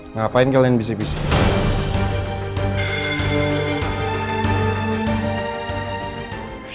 ngapain kalian bisik bisik